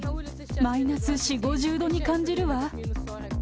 マイナス４、５０度に感じるわ。